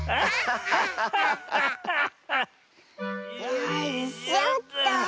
よいしょっと。